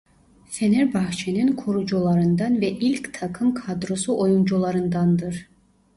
Fenerbahçe'nin kurucularından ve ilk takım kadrosu oyuncularındandır.